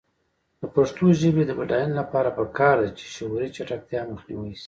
د پښتو ژبې د بډاینې لپاره پکار ده چې شعوري چټکتیا مخنیوی شي.